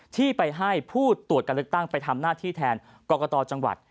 ที่ไปให้ผู้ตรวจการเลือกตั้งไปทำหน้าที่แทนกรกตจังหวัด